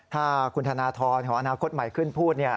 ถ้าคุณธนทรของอนาคตใหม่ขึ้นพูด